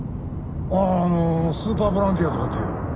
あのスーパーボランティアとかっていう。